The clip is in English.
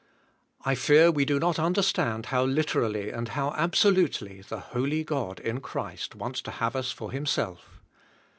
I fear we do not understand how literally and how absolutely the Holy God in Christ wants to have us for Him self.